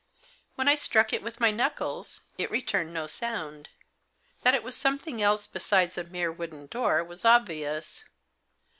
When I struck it with my knuckles, it returned no sound. That it was something else besides a mere wooden door was obvious.